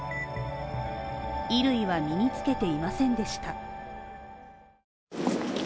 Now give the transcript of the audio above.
衣類は身に着けていませんでした。